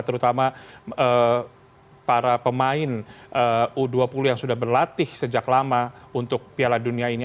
terutama para pemain u dua puluh yang sudah berlatih sejak lama untuk piala dunia ini